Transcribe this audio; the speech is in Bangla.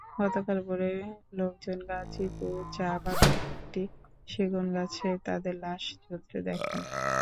গতকাল ভোরে লোকজন গাজীপুর চা-বাগানের একটি সেগুনগাছে তাঁদের লাশ ঝুলতে দেখেন।